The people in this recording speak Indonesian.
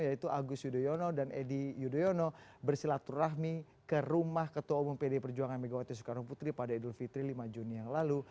yaitu agus yudhoyono dan edi yudhoyono bersilaturahmi ke rumah ketua umum pd perjuangan megawati soekarno putri pada idul fitri lima juni yang lalu